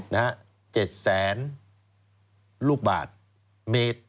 ๗แสนลูกบาทเมตร